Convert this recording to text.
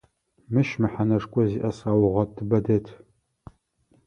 Мыщ мэхьанэшхо зиӏэ саугъэтыбэ дэт.